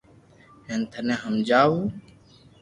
ھين ٿني ھماجاو